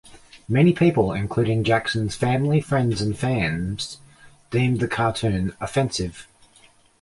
Many people, including Jackson's family, friends, and fans deemed the cartoon offensive.